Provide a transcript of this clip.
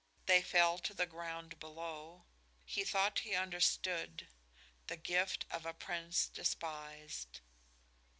They fell to the ground below. He thought he understood; the gift of a prince despised.